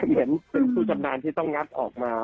เห็นเป็นผู้ชำนาญที่ต้องงัดออกมา